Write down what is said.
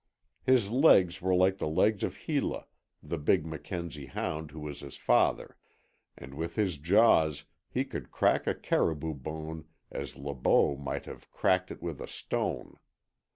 His legs were like the legs of Hela, the big Mackenzie hound who was his father; and with his jaws he could crack a caribou bone as Le Beau might have cracked it with a stone.